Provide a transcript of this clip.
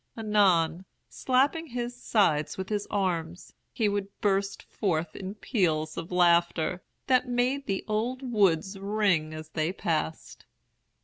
Anon, slapping his sides with his arms, he would burst forth in peals of laughter, that made the old woods ring as they passed.